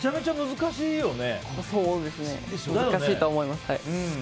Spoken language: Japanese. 難しいと思います。